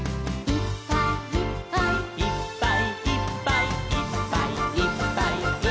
「いっぱいいっぱいいっぱいいっぱい」